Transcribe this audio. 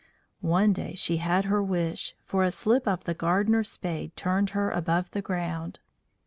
One day she had her wish, for a slip of the gardener's spade turned her above the ground.